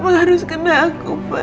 kenapa harus kena aku pa